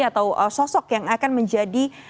atau sosok yang akan menjadi